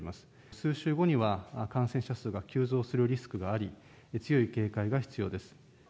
数週後には感染者数が急増するリスクがあり、強い警戒が必要です。